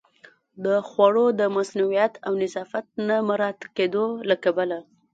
د خوړو د مصئونیت او نظافت نه مراعت کېدو له کبله